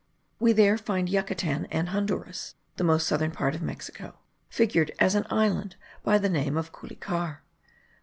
We there find Yucatan and Honduras (the most southern part of Mexico)* figured as an island, by the name of Culicar.